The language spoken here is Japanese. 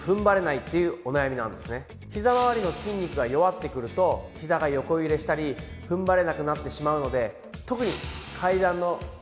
ひざまわりの筋肉が弱ってくるとひざが横揺れしたり踏ん張れなくなってしまうので。